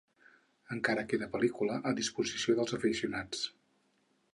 Encara queda pel·lícula a disposició dels aficionats.